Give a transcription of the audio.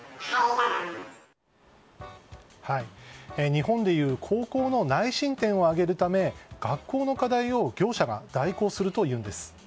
日本でいう高校の内申点を上げるため学校の課題を業者が代行するというんです。